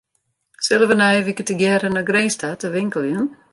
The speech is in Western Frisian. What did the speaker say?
Sille wy nije wike tegearre nei Grins ta te winkeljen?